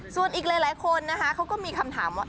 ส่วนอีกหลายคนนะคะเขาก็มีคำถามว่า